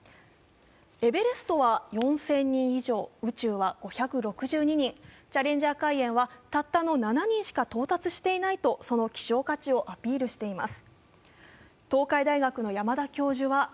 エベレストは４０００人以上、宇宙は５６２人、チャレンジャー海えんはたったの７人しか到達していないとその希少価値をアピールしています。